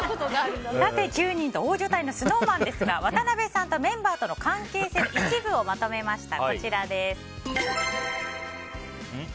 ９人と大所帯のＳｎｏｗＭａｎですが渡辺さんとメンバーとの関係性の一部をまとめました。